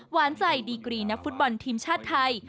หวานใจดีกรีนักฟุตบอลทีมชาติไทย